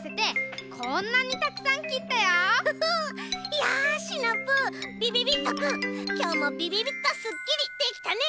いやシナプーびびびっとくんきょうもビビビッとスッキリできたね！